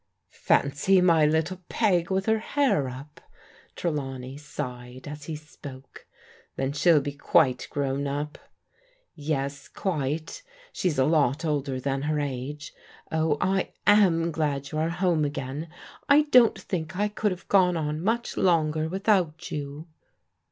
" Fancy, my little Peg with her hair up !" Trelawney sighed as he spoke. " Then she'll be quite grown up." " Yes, quite ; she's a lot older than her age. Oh, I am glad you are home again. I don't think I could have gone on much longer without you."